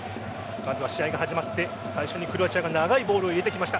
まずは試合が始まって最初にクロアチアが長いボールを入れてきました。